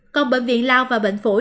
còn bệnh viện lao và bệnh phủi